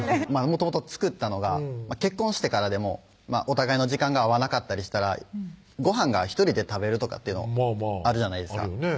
もともと作ったのが結婚してからでもお互いの時間が合わなかったりしたらごはんが１人で食べるとかってあるじゃないですか